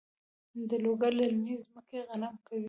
د لوګر للمي ځمکې غنم کوي؟